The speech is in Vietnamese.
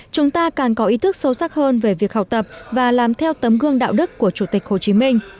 chúng ta càng có ý thức sâu sắc hơn về việc học tập và làm theo tấm gương đạo đức của chủ tịch hồ chí minh